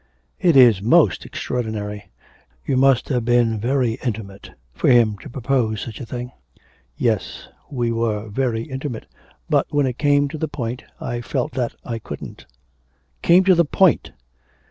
'It is most extraordinary. You must have been very intimate for him to propose such a thing.' 'Yes; we were very intimate, but, when it came to the point, I felt that I couldn't.' 'Came to the point!'